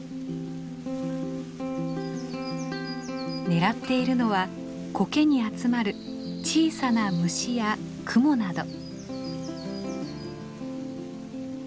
狙っているのはコケに集まる小さな虫やクモなど。